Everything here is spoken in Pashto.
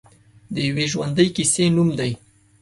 د یوې ژوندۍ کیسې نوم دی.